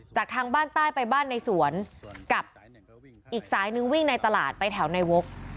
จากทางบ้านใต้ไปบ้านในสวนกับอีกสายนึงวิ่งในตลาดไปแถวในวก